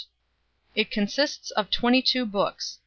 211 It consists of twenty two books.